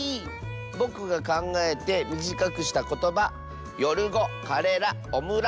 ぼくがかんがえてみじかくしたことば「よるご」「カレラ」「オムラ」。